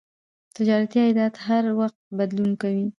تجارتي عایدات هر وخت بدلون کوي.